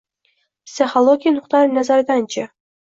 Psixologiya nuqtai nazaridanchi?